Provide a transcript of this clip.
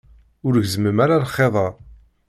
Ur gezzem ara lxiḍ-a.